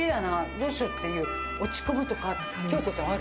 どうしよう？っていう落ち込むとか京子ちゃんはある？